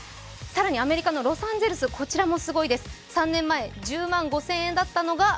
アメリカのロサンゼルスもすごいです。